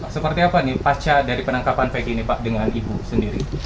seperti apa nih pasca dari penangkapan vg ini pak dengan ibu sendiri